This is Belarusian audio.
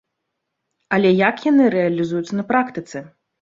Але як яны рэалізуюцца на практыцы?